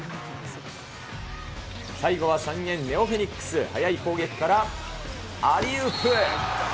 最後は三遠ネオフェニックス、速い攻撃からアリウープ。